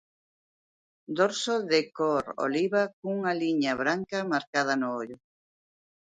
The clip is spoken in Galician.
Dorso de cor oliva cunha liña branca marcada no ollo.